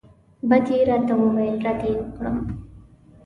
بد یې راته وویل رد یې کړم.